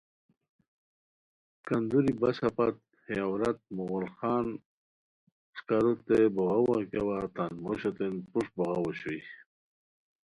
کندوری بسہ پت ہے عورت مغل خان اݰکاروتین بوغاوا گیاوا تان موشوتین پروشٹ بوغاؤ اوشوئے